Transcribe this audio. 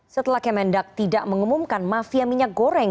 setelah kemendak tidak mengumumkan mafia minyak goreng